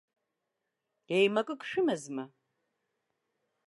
Еимакык шәымазма?